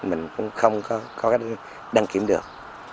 mình cũng không có cách đăng kiểm được